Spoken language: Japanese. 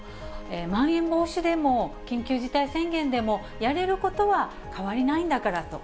まん延防止でも緊急事態宣言でも、やれることは変わりないんだからと。